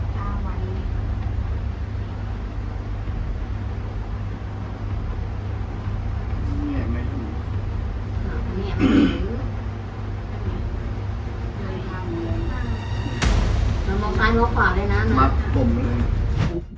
ตัวโบราณช่วง๑๙พราบ